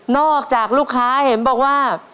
จากลูกค้าเห็นบอกว่า